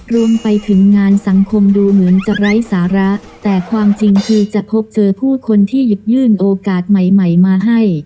รวมไปถึงงานสังคมดูเหมือนจะไร้สาระแต่ความจริงคือจะพบเจอผู้คนที่หยิบยื่นโอกาสใหม่ใหม่มาให้